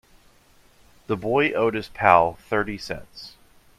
The boy owed his pal thirty cents.